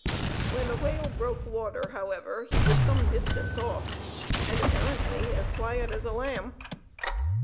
When the whale broke water, however, he was some distance off, and apparently as quiet as a lamb.